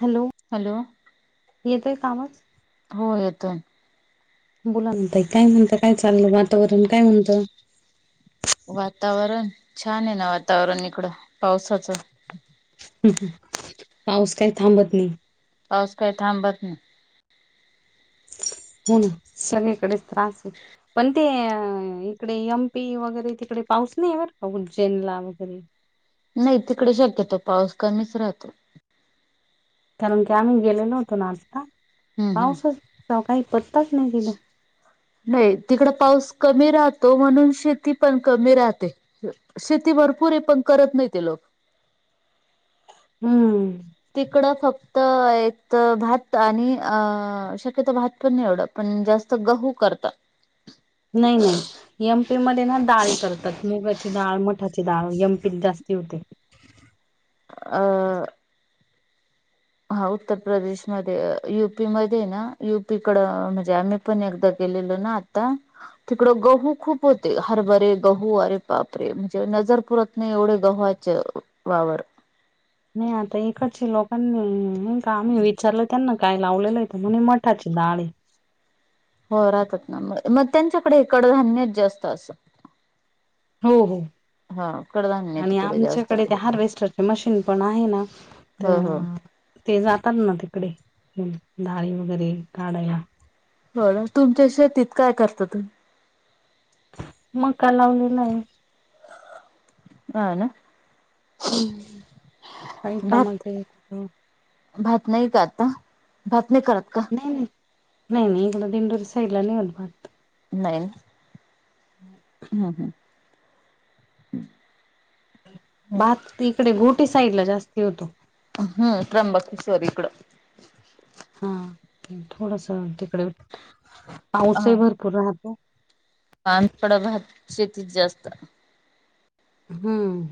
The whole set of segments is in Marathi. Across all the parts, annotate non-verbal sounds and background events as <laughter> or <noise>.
हॅलो हॅलो येतोय का आवाज. हो येतोय. बोला ना ताईकाय म्हणता? काय चालुय वातावरण काय म्हणतं. वातावरण छान आहे ना वातावरण इकडं पावसाचं. हह पाऊस काही थांबत नाही. पाऊस काही थांबत नाही. हम्म.. सगळीकडेच त्रास होईल. पण ते अ इकडे एम. पी वगैरे तिकडे पाऊस नाही बरं का उज्जैनला वगैरे नाही तिकडे शक्यतो पाऊस कमीच राहतो. कारण की आम्ही गेलेलो होतो ना आत्ता हम्म हम् पावसाचा काही पत्ताच नाही तिथं. नाही तिकडं पाऊस कमी राहतो, म्हणून शेती पण कमी राहते. शेती भरपूर ये, पण करत नाही ते लोक. हम्म, तिकडं फक्त एकत भात आणि अं शक्यतो भात पण नाही एवढा. पण जास्त गहू करता. नाही -नाही, एम. पी मध्ये ना दाळी करतात, मुगाची डाळ, मठाची डाळ एम. पी त जास्ती होते. अ, हा उत्तर प्रदेशमध्ये यु. पी मध्ये ना यु. पी कडं म्हणजे आम्ही पण एकदा गेलेलो ना तं तिकडं गहू खूप होते, हरभरे, गहू अरे बापरे! म्हणजे नजर पुरत नाही, एवढे गव्हाचे वावर नाही आता इकडचे लोकांनी अं नई का आम्ही विचारलं त्यांना काय लावलेलं आहेे त म्हणे मठाची डाळ आहे. हो राहतात ना, म मग त्यांच्याकडे हे कडधान्यचं जास्त आसं हो -हो. हा कडधान्य आणि तिकडे जास्त आमच्याकडे ते हार्वेस्टरचे मशीन पण आहे ना त हो हो ते जातात ना, तिकडे डाळी वगैरे काढायला. बरं, तुमच्या शेतीत काय करता तुम्ही? मक्का लावलेला आहे. हा ना. हम्, काही भात टमाटे भात नाही का आत्ता? भात नाही करत का? नाही-नाही, नाही इकडं दिंडोरी साईडला नाही होत भात. नाही. <inaudible> हा, हं. भात तिकडे घोटी साईड ला जास्ती होतो. हं त्र्यंबकेश्वर इकडं. हा थोडसं तिकडं पाऊसही भरपूर राहतो. पानपडा <unintelligible> भात शेतीत जास्त हम्म,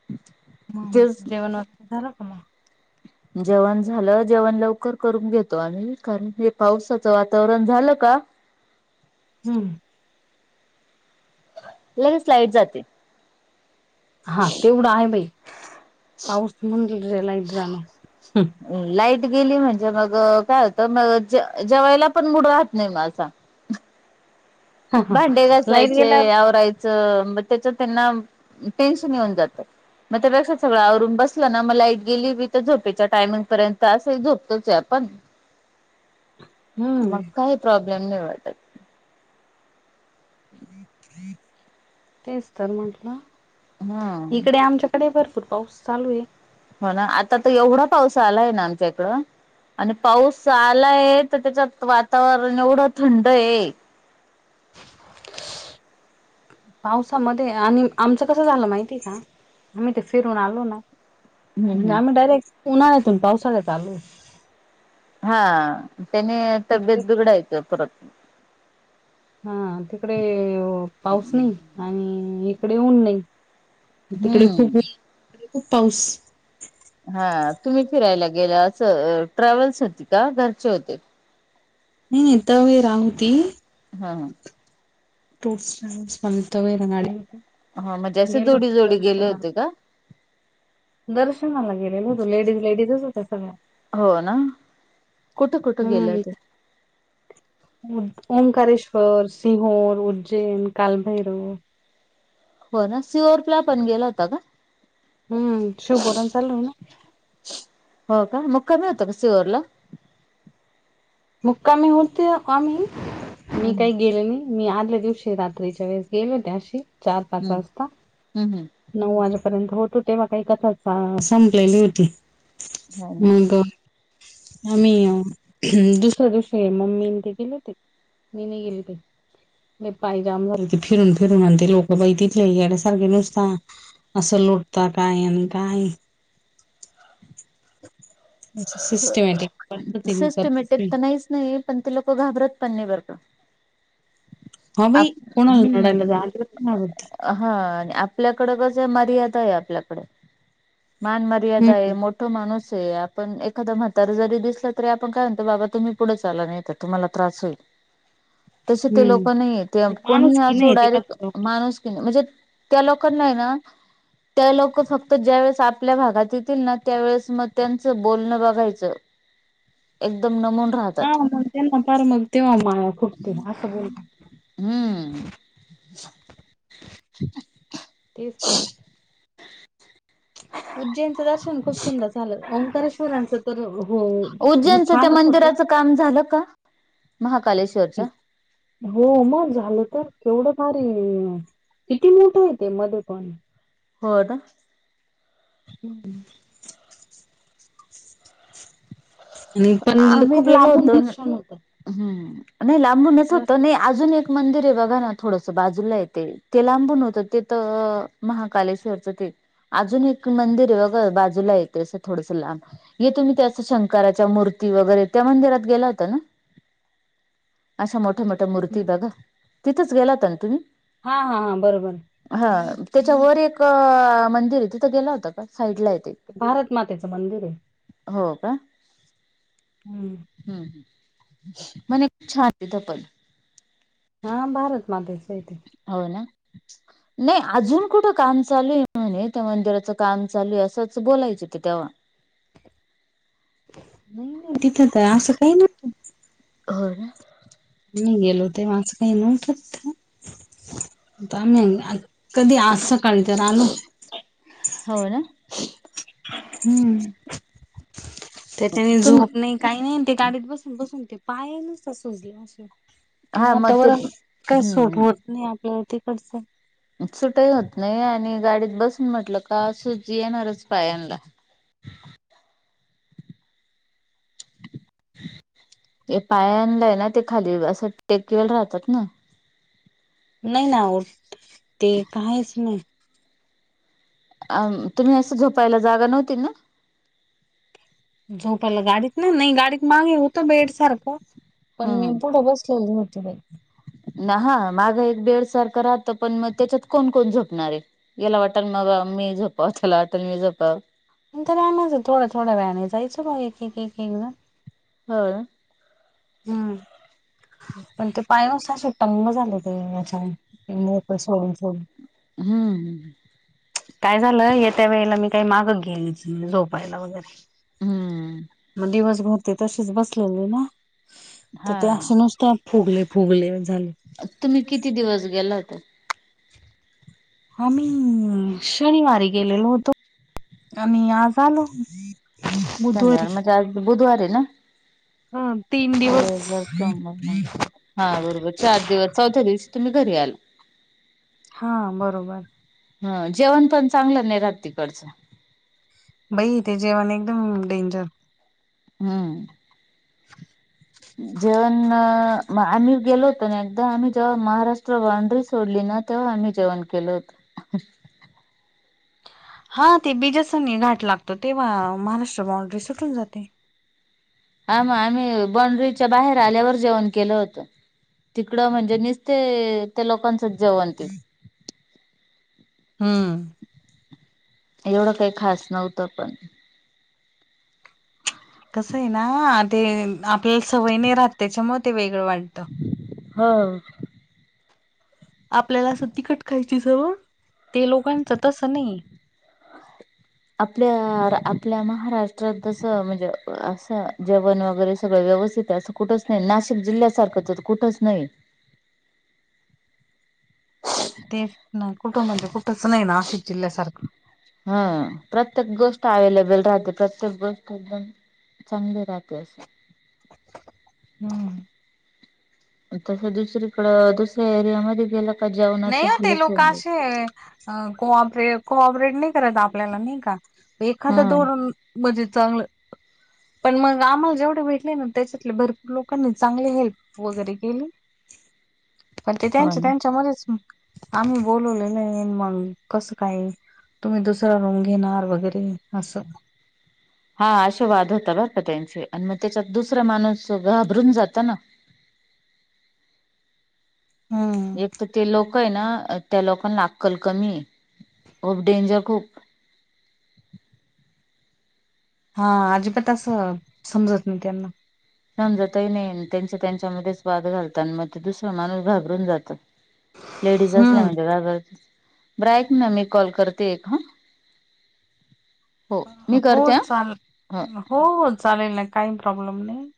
<inaudible> नाही, जेवणं आन ते झालं का म.? जेवण झालं, जेवण लवकर करून घेतो आम्ही, कारण हे पावसाचं वातावरण झालं का हम, लगेच लाईट जाते. हा तेवढं आहे बाई, पाऊस म्हून देत लाईट जाणार, हं लाईट गेली म्हणजे मग काय होतं, मग ज- जेवायला पण मुड राहात नाही माझा. हा हा भांडे लाईट गेल्यावर घासायचे, आवरायचं म त्याच्यात येना टेन्शन येऊन जातं. म ते कसं सगळं आवरून बसलं ना म लाईट गेली बी त झोपेच्या टायमिंग पर्यंत असही झोपतोच ये आपण. <inaudible> <inaudible> हम्म मग काय प्रॉब्लेम नाही वाटत. <inaudible> तेच तर म्हंटलं, हा. इकडे आमच्या आडे भरपुर पाऊस चालूये. हो ना आता तर एवढा पाऊस आलाय ना आमच्या इकडं. आणि पाऊस आलाय तर त्याच्यात वातावरण एवढं थंड आहे. पावसामध्ये आणि आमचं कसं झालं माहिती का आम्ही ते फिरून आलो ना. हम्म हम्म आम्ही डायरेक्ट उन्हाळ्यातून पावसाळ्यात आलो. हा त्याने तब्येत तिकडे बिघडायचं परत. हा तिकडे पाऊस नाही आणि इकडे ऊन नाही. तिकडे खूप हम्म <inaudible> खूप पाऊस. हा तुम्ही फिरायला गेला अस ट्रॅव्हल्स होती का घरचे होते? नाही नाही त्या वी राहती. हा हा. <unintelligible> वैगणारये. हा म्हणजे असे जोडी-जोडी गेले होते का? दर्शनाला गेलेलं होतं लेडीज-लेडीजच होत्या सगळ्या. हो ना, कुठं-कुठं गेलं हम्म होत्या? ओंकारेश्वर, सिंहोर, उज्जैन, कालभैरव. हो ना सिओर प्ला पण गेला होता का? हम्म शिव पुराण चालू आहे ना. <inaudible> हो का मुकामी होत का शिवरला? मुक्कामी होते कामही मी हम्म काही गेले नाही. मी आदल्या दिवशी रात्रीच्या वेळेस गेलो हो त्याशी चार-पाच वाजता. हम् ह. नऊ वाजेपर्यंत होतो तेव्हा <unintelligible> संपलेली होती. हो <inaudible> ना नाही का. आम्ही दुसऱ्या दिवशी मम्मी ते गेले होते. ननी गेली प पाय जाम फिरून-फिरून आणते लोकं बाई तिथले याड्यासारखे नुसता. असं लुटत काय अनंता आणि सिस्टमॅटिक पद्धतीने करतेच सिस्टमेटिक मी तर नाहीच नाही पण ते लोक घाबरत पण नाही बर का. हा बाई आप <unintelligible> कोणाल हम्म. न आत <unintelligible> हा आणि आपल्याकड कस आहे मर्यादा आहे आपल्याकडे मान म र्यादा आहे हम्म मोठ माणूस आहे आपण एकादा म्हातारी जरी दिसलं तरी आपण काय म्हणतो बाबा तुम्ही पुढे चाला नाही तर तुम्हाला त्रास होईल. <inaudible> तसे ते लोक नाही ते कोणीही माणुसकी असो नाही ते डायरेक्ट कसं माणूस की नाही म्हणजे त्या लोकांना आहे ना त्या लोक फक्त ज्या वेळेस आपल्या भागात येतील ना त्यावेेळेस मग त्यांचं बोलणं बा व्हायचं <inaudible> एकदम नमून. हा राहतात मग त्यां ना फार मग तेव्हा माया खूप ते असं बोलत. हम्म. <inaudible> तेस तर. उज्जैनचं दर्शन खूप सुंदर झालं ओंकारेश्वरांचं तर हो उज्जैनचं त्या छानच होतं. मंदिराच काम झालं का? महाकालेश हो मग, झालं तर केवढं भारी. किती मोठ आहे ते मध्ये पण. होय दा. हम्म. मि पण आम्ही खूप गेलो लांबून होतो न दर्शन होतं. हम्म, नाही लांबूनच होत व्यवस्थित नाही अजून एक मंदिर आहे बघा ना थोडस बाजूला येते ते लांबून होतं ते तर महाकालेश्वरच ते. अजून एक मंदिर आहे बघ बाजूला येते असं थोडस लांब येतु मी ते असं शंकर चा मूर्ती वगैरे त्या मंदिरात गेला होता ना? अशा मोठ-मोठ त्या‌ मूर्ती बघा, तिथंच गेला होता ना तुम्ही? हा हा हा, बरोबर. हा, त्याच्या वर एक मंदिर आहे, तिथं होता का? साईड ला आहे ते. भारत मातेचं मंदिर आहे. हो का? हम्म. हम्म ह म्हण छान आहे तीत पण. हा, भारत मातेच्या ते. हो ना. नाही, अजून कुठं काम चालू आहे म्हणे त्या मंदिराचं काम चालू आहे, असंच बोलायचं की तेव्हा. <inaudible> नाही नाही तिथं तर असं काही नव्हतं. होय ना? मी गेलो होते, म असं काही नव्हत. आम्ही कधी आज सकाळी तर आलो. <inaudible> होय ना? हम्म त्याच्यानी तुम झोप नाही. काही नाही ते गाडीत बसून-बसून ते पाय नुसत सुजले असे. ते हा मग ते वातावरण, काय सूट हम्म होत नाही आपल्याला तिकडचं. सुटही होत नाही, आणि गाडीत बसून म्हटलं का सुज येणारच पायांला. हे पायालंय ना ते खाली, असं टेकवेल राहतात ना. नाही ना होत, ते काहीच नाही. आम तुम्ही असं झोपायला जागा नव्हती ना? झोपाला गाडीत ना. नाही गाडीत मागे होतं बेड सारखं. पण ह मी पुढे बसलेली नवती बाई. ना हा मागा एक बेडसारखं राहत पण मग त्याच्यात कोण-कोण झोपणार आहे. याला वाटल मग मी झोपाव, त्याला वाटलं मी झोपाव. नंतर नाही म्हणायचं मग थोड्या थोड्या, वेळाने जायचं मग एक एक एक जण. होय. हम्म, <inaudible> पण ते पायनस शतो तंग झालं ते माच्या मोकळ सोडून-सोडून. हम्म. काय झालं येत्या वेळेला मी काही मागं घेलिच झोपायला वगैरे. हम्म मग दिवसभर ते तशीच बसलेले ना. तर ते हा. असूनच त्या फुगले-फुगले झाले. तुम्ही किती दिवस गेला होता? आम्ही शनिवारी गेलेलो होतो, आम्ही आज आलो. शनिवार बुधवारी. म्हणजे आज बुधवारे ना? ह तीन हो दिवस. <unintelligible> हा बरोबर चार दिवस चौथ्या दिवस तुम्ही घरी आला. हां बरोबर. हा जेवण पण चांगलं नाही राहत तिकडचं. बाई ते जेवण एकदम डेंजर. हम्म. जेवण म, मग आम्ही गेलो होतो ना एकदा आम्ही जेव्हा महाराष्ट्र बाउड्री सोडली ना तेव्हा आम्ही जेवण केलो होत. हा ते बीजासनी घाट लागतो तेव्हा महाराष्ट्र बॉंड्री सुटून जाते. हा म आम्ही बाउड्रीच्या बाहेर आल्यावर जेवण केलं होतं. तिकडं म्हणजे नुसते त्या लोकांचं जेवणतील. <inaudible> हम्. एवढं काही खास नव्हतं पण. कसं आहे ना ते आपल्याला सवय नाही राहात त्याच्यामुळ म ते वेगळं वाटतं. <inaudible> हा. आपल्याला असं तिखट खायची सवय ते लोकांचं तसं नाही. <inaudible> आपल्या आपल्या महाराष्ट्रात जसं म्हणजे असं जेवण वगैरे सगळं व्यवस्थि त असं कुठंच नाही नाशिक जिल्ह्यासारखंच कुठंच नाही‌. तेच न कुठं म्हणजे कुठंच नाही नाशिक जिल्ह्यासारखं. ह प्रत्येक गोष्ट अवेलेबल राहते प्रत्येक गोष्ट एकदम चांगले राहते अस. <inaudible> हम्म. तसं दुसरीकडं दुसऱ्या एरियामध्ये गेला नाही ना ते लोके असे आहे. अ कोऑपरे-कोऑपरेट नाही करत आपल्याला नाही का एखाद हा दोर म्हणजे चांगलय. पण मग आम्हाला जेवढे भेटले ना त्याच्यातले भरपूर लोकांनी चांगले हेल्प वगैरे केले. <inaudible> पण ते हो त्यांच्या ना त्यांच्यामध्येच आम्ही बोलवलेलं मग कसं काय? तुम्ही दुसरा रुंम घेणार वगैरे असं. हा असा वाद होता बर का त्यांचे आणि मग त्याच्यात दुसरा माणूस घाबरून जात ना. <inaudible> हम्. एक तर ते लोक आहे ना त्या लोकांना अकल कमी आहे. खूप डेंजर खूप हा अजिबात असं समजत नाही त्यांना. समजतही नाही त्यांच त्यांच्यामध्येच वाद घालत आणि मग ते दुसरा माणूस घाबरून जातं. <inaudible> लेडीज असल्या म्हणजे हम्म घर <unintelligible> ब्राईट ना मी कॉल करते एक हा. हो मी हो करते चाल हा हो. हो हो चालेल ना काही प्रॉब्लेम नाही.